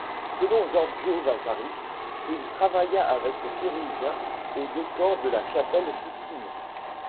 Selon Giorgio Vasari, il travailla avec Le Pérugin au décor de la Chapelle Sixtine.